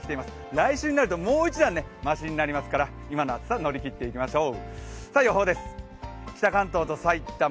来週なると、もう一段ましになってきますから、今の暑さ、乗り切っていきましょう。